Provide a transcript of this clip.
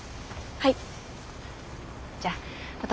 はい。